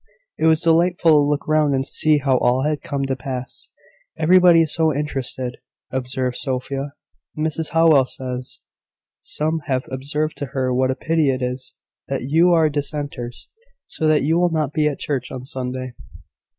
It was delightful to look round and see how all had come to pass. "Everybody is so interested!" observed Sophia. "Mrs Howell says, some have observed to her what a pity it is that you are dissenters, so that you will not be at church on Sunday.